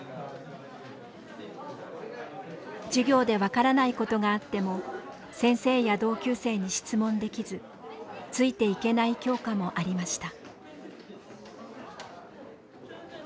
授業で分からないことがあっても先生や同級生に質問できずついていけない教科もありました。